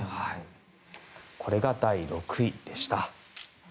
これが第６位でした。